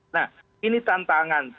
nah ini tantangan